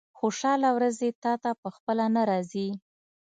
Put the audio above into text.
خوشاله ورځې تاته په خپله نه راځي.